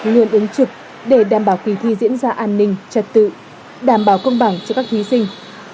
luôn ứng trực để đảm bảo kỳ thi diễn ra an ninh trật tự đảm bảo công bằng cho các thí sinh